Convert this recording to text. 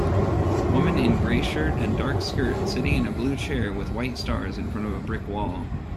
Woman in gray shirt and dark skirt sitting in blue chair with white stars in front of a brick wall